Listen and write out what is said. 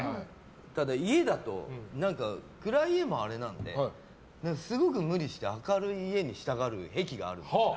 ただ家だと暗い家もあれなんですごく無理して明るい家にしたがる癖があるんです。